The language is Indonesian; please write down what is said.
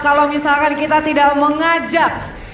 kalau misalkan kita tidak mengajak